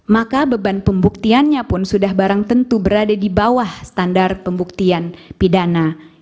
maka beban pembuktiannya pun sudah barang tentu berada di bawah standar pembuktian pidana